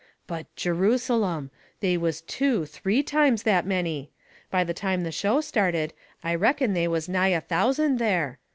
But Jerusalem! They was two, three times that many. By the time the show started I reckon they was nigh a thousand there.